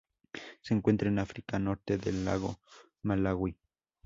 Se encuentran en África: norte del lago Malawi.